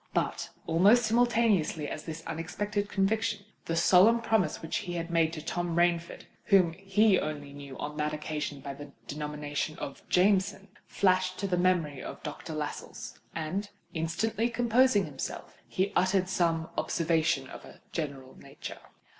But, almost simultaneously with this unexpected conviction, the solemn promise which he had made to Tom Rainford (whom he only knew on that occasion by the denomination of Jameson) flashed to the mind of Doctor Lascelles; and, instantly composing himself, he uttered some observation of a general nature.